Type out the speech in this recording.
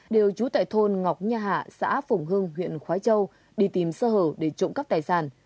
đều trú tại thôn ngọc nha hạ xã phùng hưng huyện khói châu đi tìm sơ hở để trộm cắp tài sản